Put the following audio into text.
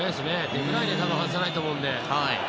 デブライネは外さないと思うので。